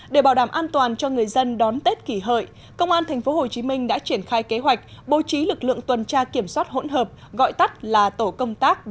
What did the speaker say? để bảo đảm an toàn cho người dân đón tết kỷ hợi công an tp hcm đã triển khai kế hoạch bố trí lực lượng tuần tra kiểm soát hỗn hợp gọi tắt là tổ công tác ba trăm ba